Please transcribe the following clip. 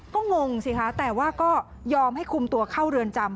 ก็งงสิคะแต่ว่าก็ยอมให้คุมตัวเข้าเรือนจำ